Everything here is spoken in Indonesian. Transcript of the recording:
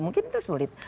mungkin itu sulit